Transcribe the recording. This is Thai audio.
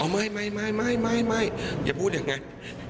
ไม่อย่าพูดอย่างไร